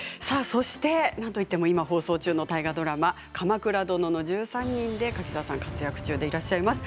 そして、なんといっても今、放送中の大河ドラマ「鎌倉殿の１３人」で柿澤さん活躍中でいらっしゃいます